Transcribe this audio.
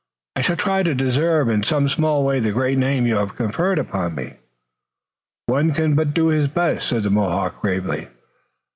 "I shall try to deserve in some small way the great name you have conferred upon me." "One can but do his best," said the Mohawk gravely.